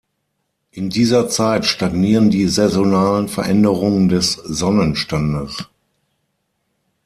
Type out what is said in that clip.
In dieser Zeit stagnieren die saisonalen Veränderungen des Sonnenstandes.